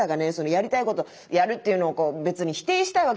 やりたいことやるっていうのを別に否定したいわけじゃない。